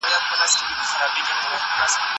زه به سبا کتابونه لوستل کوم!